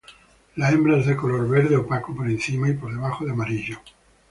La hembra es de color verde opaco por encima y por debajo de amarillo.